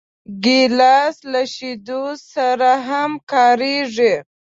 ګیلاس له شیدو سره هم کارېږي.